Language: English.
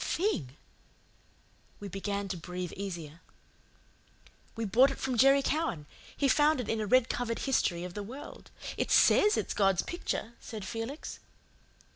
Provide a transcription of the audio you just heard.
THING! We began to breathe easier. "We bought it from Jerry Cowan. He found it in a red covered history of the world. It SAYS it's God's picture," said Felix.